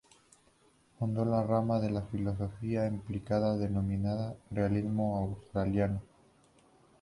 Fundó la rama de filosofía empírica denominada realismo australiano.